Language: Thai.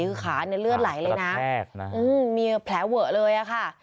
คือขาเนี่ยเลือดไหลเลยนะไม่ตลาดแพรวะเลยค่ะ